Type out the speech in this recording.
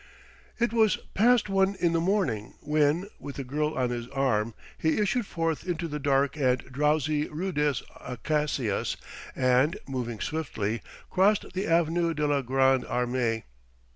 It was past one in the morning when, with the girl on his arm, he issued forth into the dark and drowsy rue des Acacias and, moving swiftly, crossed the avenue de la Grande Armée.